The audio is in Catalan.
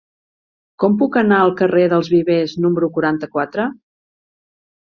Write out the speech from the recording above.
Com puc anar al carrer dels Vivers número quaranta-quatre?